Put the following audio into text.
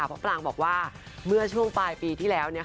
พระปรางบอกว่าเมื่อช่วงปลายปีที่แล้ว